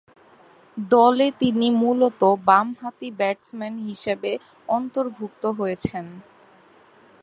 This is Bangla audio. দলে তিনি মূলতঃ বামহাতি ব্যাটসম্যান হিসেবে অন্তর্ভুক্ত হয়েছেন।